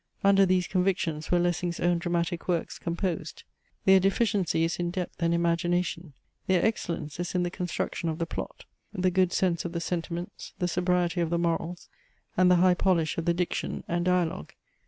Under these convictions were Lessing's own dramatic works composed. Their deficiency is in depth and imagination: their excellence is in the construction of the plot; the good sense of the sentiments; the sobriety of the morals; and the high polish of the diction and dialogue.